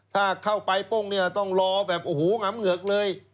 ถ้าเข้าไปปุ้งเนี่ยต้องรอแบบโอ้โหหงำเหงือกเลย